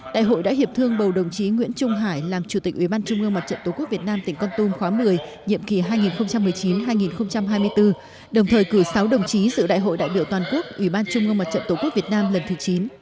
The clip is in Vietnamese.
đại hội đã hiệp thương bầu đồng chí nguyễn trung hải làm chủ tịch ủy ban trung ương mặt trận tổ quốc việt nam tỉnh con tum khóa một mươi nhiệm kỳ hai nghìn một mươi chín hai nghìn hai mươi bốn đồng thời cử sáu đồng chí sự đại hội đại biểu toàn quốc ủy ban trung ương mặt trận tổ quốc việt nam lần thứ chín